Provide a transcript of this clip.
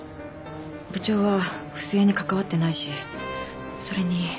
部長は不正に関わってないしそれに。